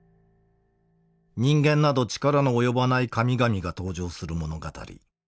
人間など力の及ばない神々が登場する物語。